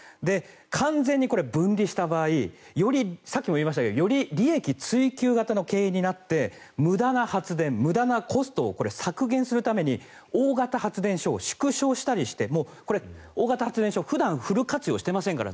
完全に分離した場合さっきも言いましたけどより利益追求型の経営になって無駄な発電、無駄なコストを削減するために大型発電所を縮小したりしてこれは大型発電所普段フル活用してませんから。